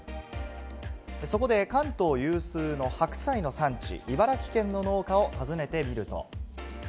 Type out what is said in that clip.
そこで関東有数の白菜の産地、茨城県の農家を訪ねてみると。